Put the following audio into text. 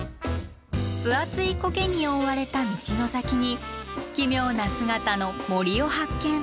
分厚いコケに覆われた道の先に奇妙な姿の森を発見。